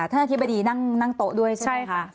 ท่านอธิบดีนั่งโต๊ะด้วยใช่ไหมคะ